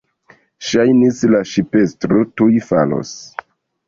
Ŝajnis, la ŝipestro tuj falos.